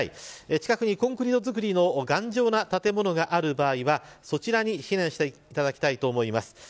近くにコンクリート造りの頑丈な建物がある場合はそちらに避難していただきたいと思います。